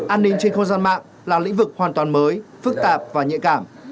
an ninh trên không dân mạng là lĩnh vực hoàn toàn mới phức tạp và nhẹ cảm